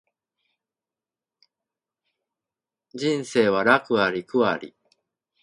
人生は楽あり苦あり